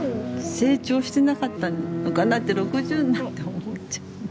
成長してなかったのかなって６０になって思っちゃう。